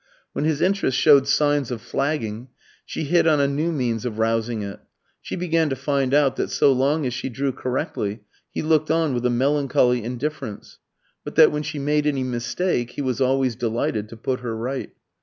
When his interest showed signs of flagging, she hit on a new means of rousing it. She began to find out that so long as she drew correctly, he looked on with a melancholy indifference, but that when she made any mistake he was always delighted to put her right.